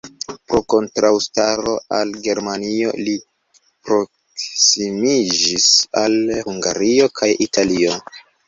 Pro kontraŭstaro al Germanio, li proksimiĝis al Hungario kaj Italio.